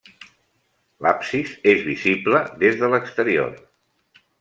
L'absis és visible des de l'exterior.